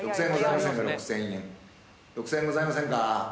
６，０００円ございませんか？